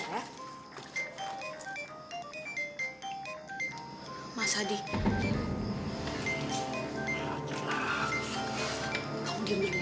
kalau sama mas hadi gue senen